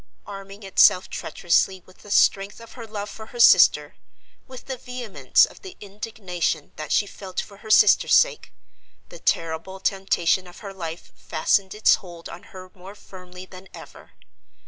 Arming itself treacherously with the strength of her love for her sister, with the vehemence of the indignation that she felt for her sister's sake, the terrible temptation of her life fastened its hold on her more firmly than ever.